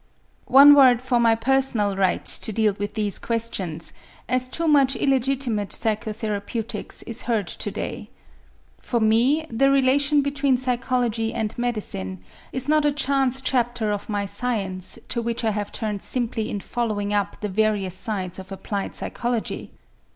One word for my personal right to deal with these questions, as too much illegitimate psychotherapeutics is heard to day. For me, the relation between psychology and medicine is not a chance chapter of my science to which I have turned simply in following up the various sides of applied psychology.